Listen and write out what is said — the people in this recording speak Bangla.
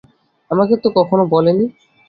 আমাকে তো কখনো বলনি।